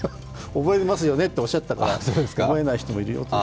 覚えてますよねとおっしゃったから、覚えない人もいるよと。